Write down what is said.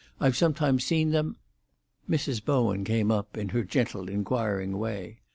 I've sometimes seen them——" Mrs. Bowen came up in her gentle, inquiring way.